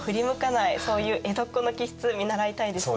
そういう江戸っ子の気質見習いたいですね。